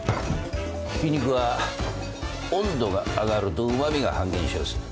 ひき肉は温度が上がるとうま味が半減しやす。